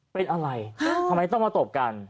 เป็นอะไรทำไมต้องมาตบกัน